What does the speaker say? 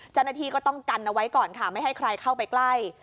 เจ้าหน้าที่ก็ต้องกันเอาไว้ก่อนค่ะไม่ให้ใครเข้าไปใกล้